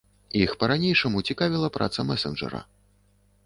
Іх па-ранейшаму цікавіла праца мэсэнджара.